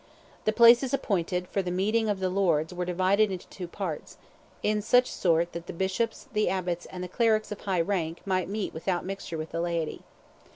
The places appointed for the meeting of the lords were divided into two parts, in such sort that the bishops, the abbots, and the clerics of high rank might meet without mixture with the laity.